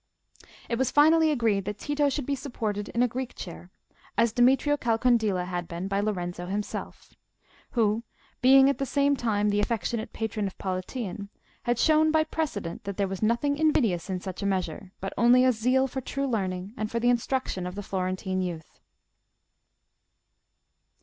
It was finally agreed that Tito should be supported in a Greek chair, as Demetrio Calcondila had been by Lorenzo himself, who, being at the same time the affectionate patron of Politian, had shown by precedent that there was nothing invidious in such a measure, but only a zeal for true learning and for the instruction of the Florentine youth.